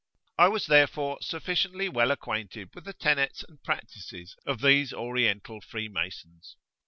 I was therefore sufficiently well acquainted with the tenets and practices of these Oriental Freemasons.